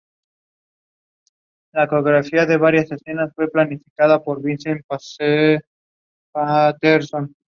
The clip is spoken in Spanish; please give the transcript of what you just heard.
Las principales denominaciones cristianas son el anglicanismo, el catolicismo, el presbiterianismo y el metodismo.